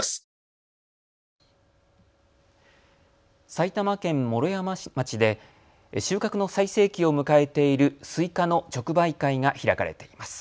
埼玉県毛呂山町で収穫の最盛期を迎えているスイカの直売会が開かれています。